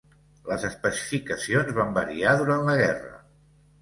Les especificacions van variar durant la guerra.